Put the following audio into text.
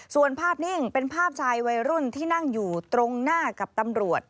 ส่วนภาพนิ่งเป็นภาพชายวัยรุ่นที่นั่งอยู่ตรงหน้ากับตำรวจ